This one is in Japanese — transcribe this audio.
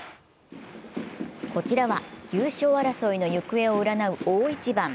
こちらは優勝争いの行方を占う大一番。